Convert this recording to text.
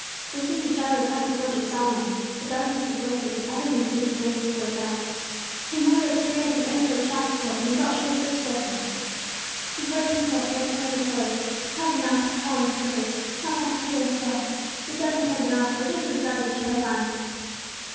Just as he started across the Porch of Solomon, the darkness was lifted, and everything seemed to dance before his eyes. He had never experienced an earthquake shock before, but he felt sure that this was one. He braced himself against one of the pillars. How the massive columns quivered! How the hot air throbbed! The darkness had been awful, but this was doubly terrifying.